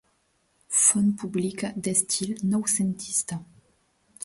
Font pública d'estil noucentista.